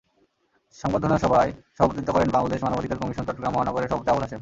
সংবর্ধনা সভায় সভাপতিত্ব করেন বাংলাদেশ মানবাধিকার কমিশন চট্টগ্রাম মহানগরের সভাপতি আবুল হাশেম।